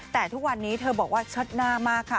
แต่ทุกวันนี้เธอบอกว่าเชิดหน้ามากค่ะ